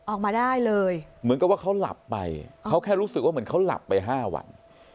ออกมาได้เลยเหมือนกับว่าเขาหลับไปเขาแค่รู้สึกว่าเหมือนเขาหลับไป๕วัน